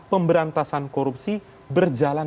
pemberantasan korupsi berjalan